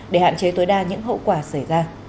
để hạn chế tối đa những hậu quả xảy ra